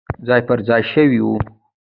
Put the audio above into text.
ځای پر ځای شوي وو.